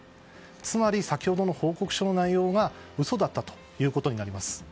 つまり先ほどの報告書の内容が嘘だったということになります。